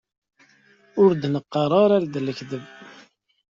Ur d-neqqar ara d lekdeb.